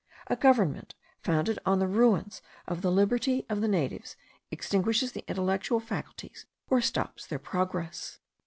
A government founded on the ruins of the liberty of the natives extinguishes the intellectual faculties, or stops their progress.